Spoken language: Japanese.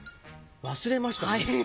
忘れましたね。